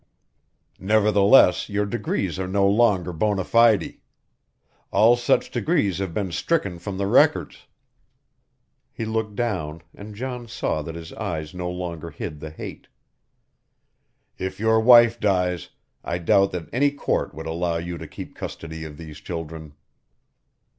"Nevertheless your degrees are no longer bona fide. All such degrees have been stricken from the records." He looked down and John saw that his eyes no longer hid the hate. "If your wife dies I doubt that any court would allow you to keep custody of these children."